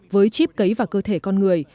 với chip cấy vào cơ thể con người